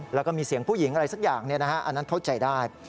แล้วก็มีเสียงผู้หญิงอะไรสักอย่างอันนั้นเข้าใจได้